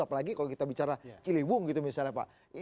apalagi kalau kita bicara ciliwung gitu misalnya pak